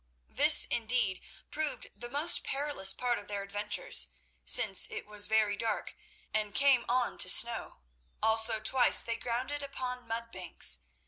This, indeed, proved the most perilous part of their adventures, since it was very dark, and came on to snow; also twice they grounded upon mud banks.